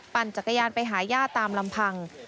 จักรยานไปหาย่าตามลำพัง